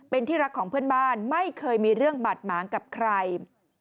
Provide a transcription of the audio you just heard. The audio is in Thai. เป็นที่รักของเพื่อนบ้านไม่เคยมีเรื่องบาดหมางกับใคร